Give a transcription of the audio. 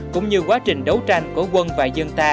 cũng như quá trình đấu tranh của quân và dân ta